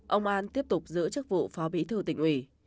ông an tiếp tục giữ chức vụ phó bí thư tỉnh ủy